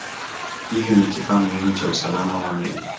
Hivyo ni kifaa muhimu cha usalama wa meli.